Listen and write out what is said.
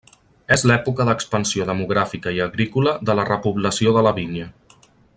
És l'època d'expansió demogràfica i agrícola de la repoblació de la vinya.